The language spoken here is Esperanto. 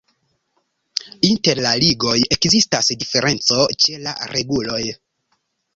Inter la ligoj ekzistas diferenco ĉe la reguloj.